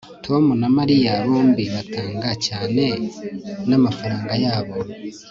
tom na mariya bombi batanga cyane namafaranga yabo